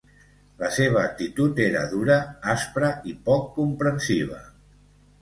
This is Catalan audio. La seva actitud era dura, aspra i poc comprensiva.